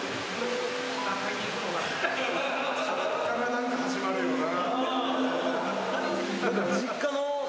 何か始まるよな。